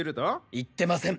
言ってません。